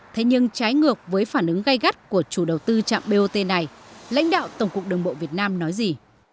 thế nhưng trái ngược với phản ứng gây gắt của chủ đầu tư trạm bot này lãnh đạo tổng cục đường bộ việt nam nói gì